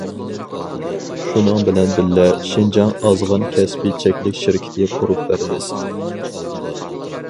شۇنىڭ بىلەن بىللە، شىنجاڭ ئازغان كەسپىي چەكلىك شىركىتى قۇرۇپ بەردى.